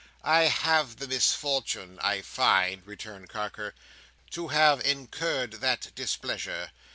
"I have the misfortune, I find," returned Carker, "to have incurred that displeasure.